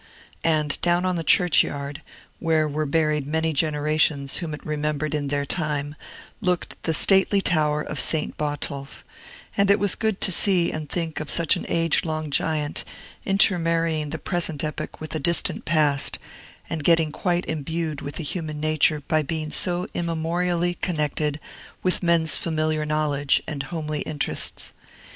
And down on the churchyard, where were buried many generations whom it remembered in their time, looked the stately tower of Saint Botolph; and it was good to see and think of such an age long giant, intermarrying the present epoch with a distant past, and getting quite imbued with human nature by being so immemorially connected with men's familiar knowledge and homely interests.